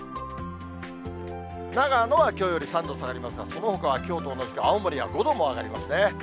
長野はきょうより３度下がりますが、そのほかはきょうと同じか、青森は５度も上がりますね。